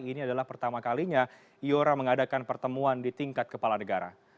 ini adalah pertama kalinya iora mengadakan pertemuan di tingkat kepala negara